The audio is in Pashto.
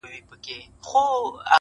تاسو ترما ښه پيژنئ